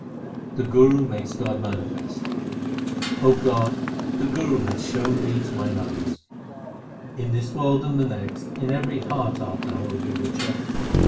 312 THE SIKH RELIGION The Guru makes God manifest : O God, the Guru hath shown Thee to mine eyes. In this world and the next, in every heart art Thou, O Bewitcher.